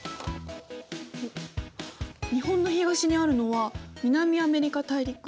日本の東にあるのは南アメリカ大陸。